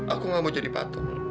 aku gak mau jadi patung